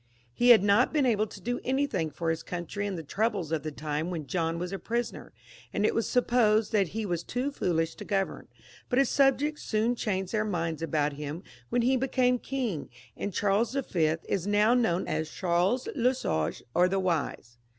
He had not been able to do anything for his country ail through the troubles of the time when John was a prisoner, and it was supposed that he was too foolish to govern ; but his subjects soon changed their minds about him when he became king, and Charles V. is now known as Charles le Sage, or the Wise.